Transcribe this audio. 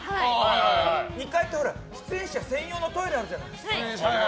２階って出演者専用のトイレがあるじゃない？